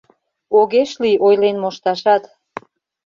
Огеш лий ойлен мошташат.